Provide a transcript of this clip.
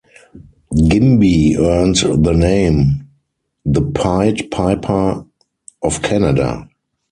Gimby earned the name the "Pied Piper of Canada".